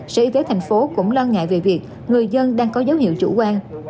sở y tế thành phố cũng lo ngại về việc người dân đang có dấu hiệu chủ quan